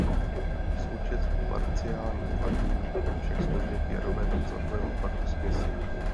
Součet parciálních tlaků všech složek je roven celkovému tlaku směsi.